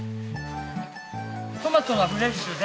トマトがフレッシュで。